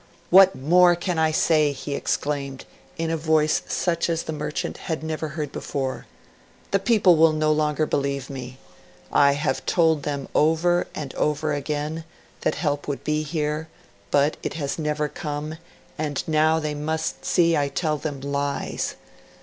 'What more can I say?' he exclaimed, in a voice such as the merchant had never heard before. 'The people will no longer believe me. I have told them over and over again that help would be here, but it has never come, and now they must see I tell them lies.